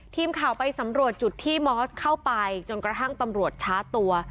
ทีมข่าวไปสำรวจจุดที่มอสเข้าไปจนกระทั่งตำรวจช้าตัว